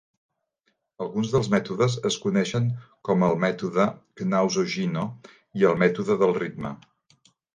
Alguns dels mètodes es coneixen com al mètode Knaus-Ogino i el mètode del ritme.